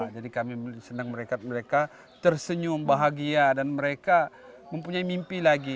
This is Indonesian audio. jadi kami senang mereka tersenyum bahagia dan mereka mempunyai mimpi lagi